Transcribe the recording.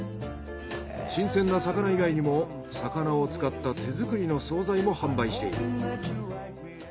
新鮮な魚以外にも魚を使った手作りの総菜も販売している。